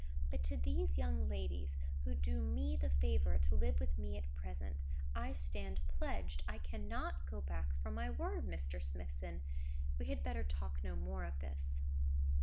But to these young ladies, who do me the favour to live with me at present, I stand pledged. I cannot go back from my word, Mr. Smithson. We had better talk no more of this."